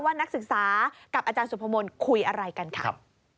นักศึกษากับอาจารย์สุพมนต์คุยอะไรกันค่ะ